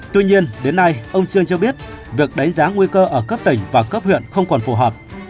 tuy nhiên đến nay ông sương cho biết việc đánh giá nguy cơ ở cấp tỉnh và cấp huyện không còn phù hợp